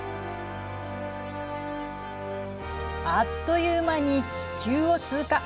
あっという間に地球を通過。